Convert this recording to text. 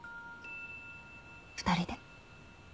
２人で。